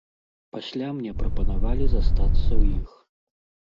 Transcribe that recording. Пасля мне прапанавалі застацца ў іх.